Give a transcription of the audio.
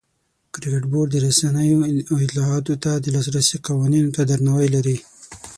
کرکټ بورډ د رسنیو او اطلاعاتو ته د لاسرسي قوانینو ته درناوی لري.